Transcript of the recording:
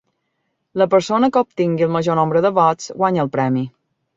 La persona que obtingui el major nombre de vots guanya el premi.